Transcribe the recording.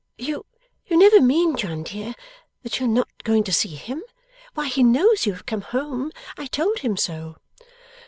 'You never mean, John dear, that you are not going to see him? Why, he knows you have come home. I told him so.